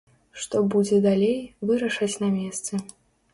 Што будзе далей, вырашаць на месцы.